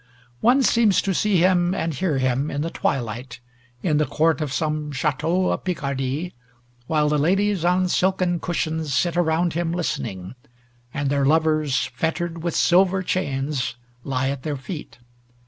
One seems to see him and hear him in the twilight, in the court of some chateau of Picardy, while the ladies on silken cushions sit around him listening, and their lovers, fettered with silver chains, lie at their feet.